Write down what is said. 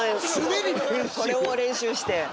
これを練習して。